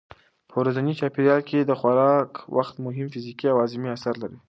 په ورځني چاپېریال کې د خوراک وخت مهم فزیکي او هاضمي اثر لري.